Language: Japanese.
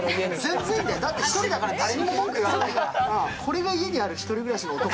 全然だよ、だって１人だから誰にも文句言われないから。